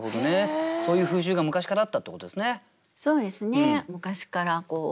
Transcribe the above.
そういう風習が昔からあったってことですね。